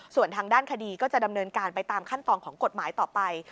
ส่วนทางด้านคดีก็จะดำเนินการไปตามขั้นตอนของกฎหมายต่อไป